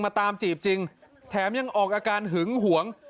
ตามจีบจริงแถมยังออกอาการหึงหวง